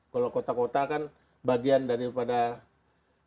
kalau kota kota kan bagian daripada